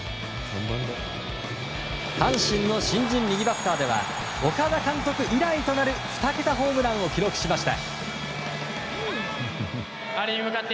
阪神の新人右バッターでは岡田監督以来となる２桁ホームランを記録しました。